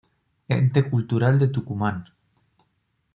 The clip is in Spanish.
Ente Cultural de Tucumán